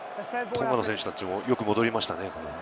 トンガの選手たちもよく戻りましたね。